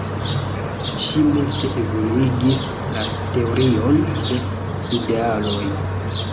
Ŝi multe evoluigis la teorion de idealoj.